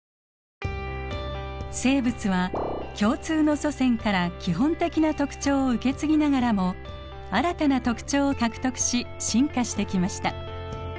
生物は共通の祖先から基本的な特徴を受け継ぎながらも新たな特徴を獲得し進化してきました。